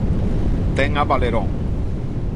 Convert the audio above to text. Ten a Valerón.